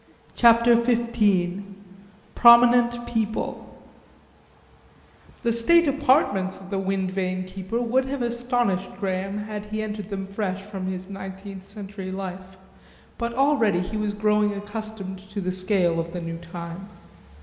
CHAPTER XV PROMINENT PEOPLE The state apartments of the Wind Vane Keeper would have astonished Graham had he entered them fresh from his nineteenth century life, but already he was growing accustomed to the scale of the new time.